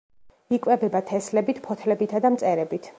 იკვებება თესლებით, ფოთლებითა და მწერებით.